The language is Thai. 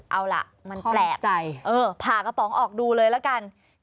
เอาล่ะมันแปลกใจผ่ากระป๋องออกดูเลยละกัน